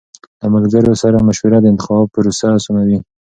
له ملګرو سره مشوره د انتخاب پروسه آسانوي.